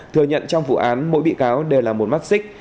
thừa nhận trong vụ án mỗi bị cáo đều là một mắt xích